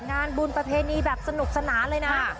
งานบุญประเพณีแบบสนุกสนานเลยนะ